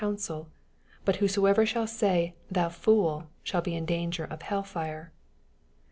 oooncil: but whosoever shall say. Thou fool, shall be in dan ger of hell fire.